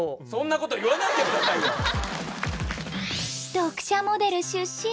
読者モデル出身！